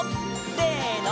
せの！